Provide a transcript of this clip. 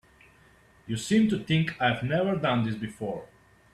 You seem to think I've never done this before.